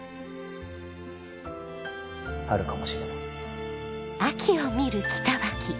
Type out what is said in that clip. あるかもしれない。